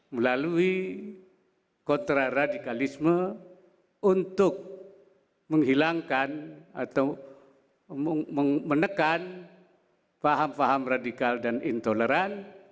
melalui kontraradikalisme untuk menghilangkan atau menekan paham paham radikal dan intoleran